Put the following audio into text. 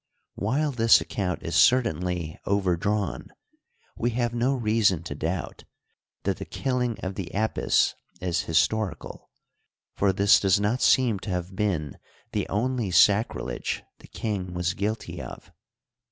While this account is cer tainly overdrawn, we have no reason to doubt that the killing of the Apis is historical, for this does not seem to have been the only sacrilege the king was guilty of.